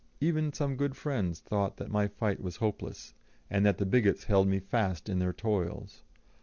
Even some good friends thought that my fight was hopeless, and that the bigots held me fast in their toils.